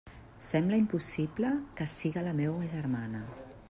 Sembla impossible que siga la meua germana!